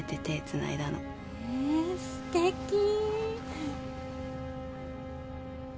えすてき。